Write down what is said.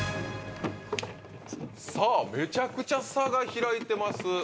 さぁめちゃくちゃ差が開いてます。